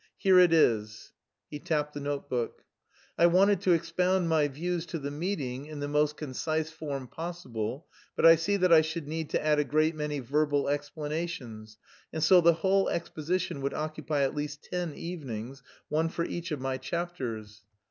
Here it is." He tapped the notebook. "I wanted to expound my views to the meeting in the most concise form possible, but I see that I should need to add a great many verbal explanations, and so the whole exposition would occupy at least ten evenings, one for each of my chapters."